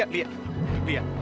pak perhatian banget sama ibu